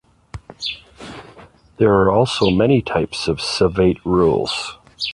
There are also many types of savate rules.